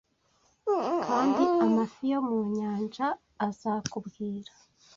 Kandi amafi yo mu nyanja azakubwira